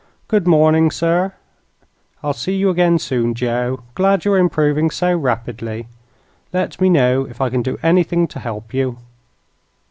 Good morning, sir. I'll see you again soon, Joe. Glad you're improving so rapidly. Let me know if I can do anything to help you."